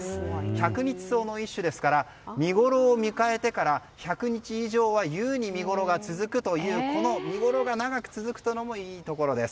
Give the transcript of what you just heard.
ヒャクニチソウの一種ですから見ごろを迎えてから１００日以上は優に見ごろが続くということで見ごろが長く続くのもいいところです。